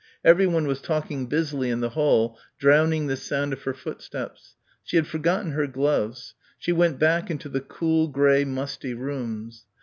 Everyone was talking busily in the hall, drowning the sound of her footsteps. She had forgotten her gloves. She went back into the cool grey musty rooms.